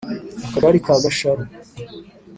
akagali ka Gasharu